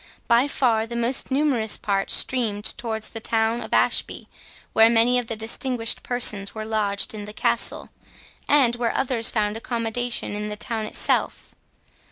By far the most numerous part streamed towards the town of Ashby, where many of the distinguished persons were lodged in the castle, and where others found accommodation in the town itself.